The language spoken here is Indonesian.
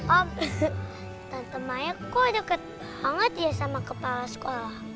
om tante maya kok deket banget ya sama kepala sekolah